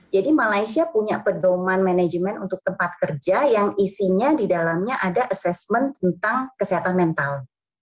jadi malaysia punya pedoman manajemen untuk tempat kerja yang isinya di dalamnya ada assessment tentang kesehatan mental